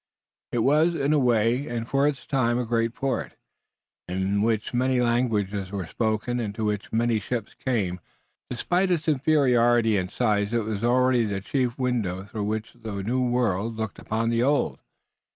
It was in a way and for its time a great port, in which many languages were spoken and to which many ships came. Despite its inferiority in size it was already the chief window through which the New World looked upon the Old.